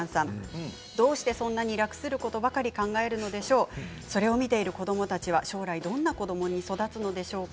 どうしてそんなにたくさん楽することばかり考えるんでしょうそれを見ている子どもたちは将来どんな子どもに育つのでしょうか。